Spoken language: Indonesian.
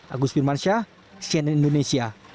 agus pirmansyah cnn indonesia